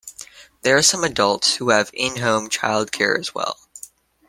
There are some adults who have in-home childcare as well.